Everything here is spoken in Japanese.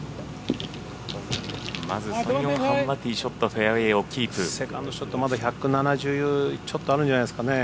まずソン・ヨンハンはティーショット、フェアウエーをセカンドショットまだ１７０ちょっとあるんじゃないですかね。